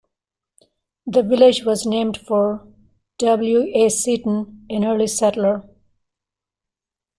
The village was named for W. A. Seaton, an early settler.